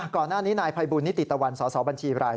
ก่อนหน้านี้นายภัยบูลนิติตะวันสสบัญชีราย